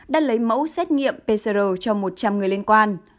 đã lấy mẫu xét nghiệm pcr cho một trăm linh người liên quan